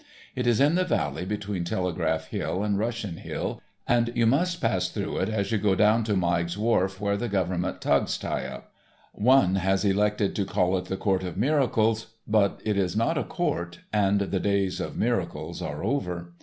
It is in the valley between Telegraph Hill and Russian Hill, and you must pass through it as you go down to Meigg's Wharf where the Government tugs tie up. One has elected to call it the Court of Miracles, but it is not a court, and the days of miracles are over.